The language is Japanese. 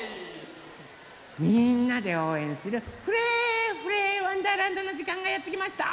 みんなでおうえんする「フレフレわんだーらんど」のじかんがやってきました！